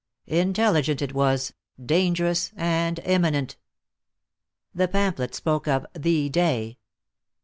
Intelligent it was, dangerous, and imminent. The pamphlets spoke of "the day."